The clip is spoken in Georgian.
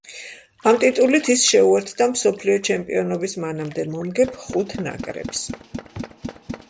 ამ ტიტულით ის შეუერთდა მსოფლიო ჩემპიონობის მანამდე მომგებ ხუთ ნაკრებს.